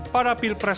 pemilih pemilih pemilih